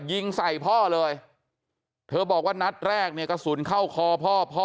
ยิงใส่พ่อเลยเธอบอกว่านัดแรกเนี่ยกระสุนเข้าคอพ่อพ่อ